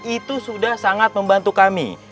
itu sudah sangat membantu kami